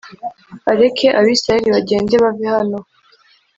areke Abisirayeli bagende bave hano